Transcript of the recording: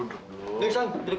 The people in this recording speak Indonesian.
dek sayang duduk